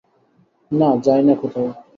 না, যাই না কোথাও।